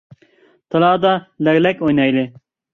تالادا لەگلەك ئوينايلى.